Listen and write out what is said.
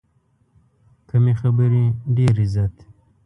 کمې خبرې، ډېر عزت.